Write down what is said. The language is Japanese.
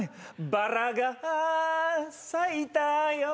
「バラが咲いたよ」